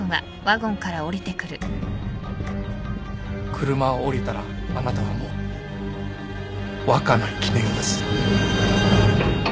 車を降りたらあなたはもう若菜絹代です。